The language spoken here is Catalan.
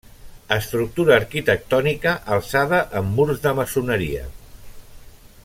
Estructura arquitectònica alçada amb murs de maçoneria.